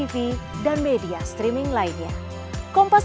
apa artinya ekonomi segera tidak baik